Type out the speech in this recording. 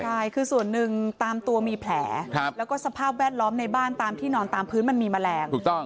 ใช่คือส่วนหนึ่งตามตัวมีแผลแล้วก็สภาพแวดล้อมในบ้านตามที่นอนตามพื้นมันมีแมลงถูกต้อง